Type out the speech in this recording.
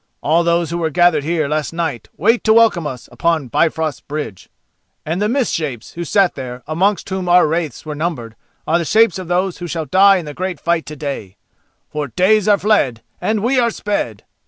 All those who were gathered here last night wait to welcome us on Bifrost Bridge. And the mist shapes who sat there, amongst whom our wraiths were numbered, are the shapes of those who shall die in the great fight to day. For days are fled and we are sped!"